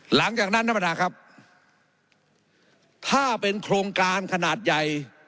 หลังจากนั้นท่านประธานครับถ้าเป็นโครงการขนาดใหญ่